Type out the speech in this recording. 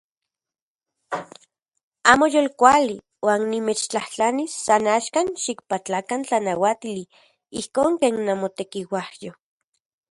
Amo yolkuali uan nimechtlajtlanis san axkan xikpatlakan tlanauatili ijkon ken namotekiuajyo.